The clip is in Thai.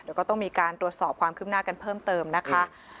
เดี๋ยวก็ต้องมีการตรวจสอบความคืบหน้ากันเพิ่มเติมนะคะ